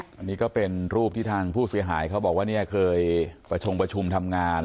อันนี้ก็เป็นรูปที่ทางผู้เสียหายเขาบอกว่าเนี่ยเคยประชงประชุมทำงาน